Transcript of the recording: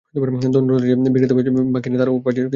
দন্ডতো যে বিক্রেতা বা যে কিনে তার পাওয়া উচিত, কিন্তু পায় কে?